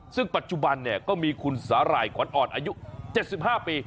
ซึ่งปัจจุบันเนี่ยก็มีคุณสะรายขวานออดอายุ๗๕ปี